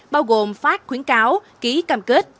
bao gồm phát khuyến cáo ký cam kết